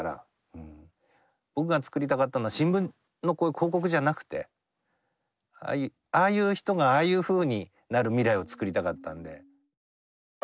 僕がつくりたかったのは新聞のこういう広告じゃなくてああいう人がああいうふうになる未来をつくりたかったんで。